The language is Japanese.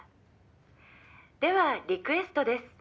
「ではリクエストです」